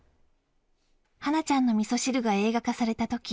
『はなちゃんのみそ汁』が映画化されたとき、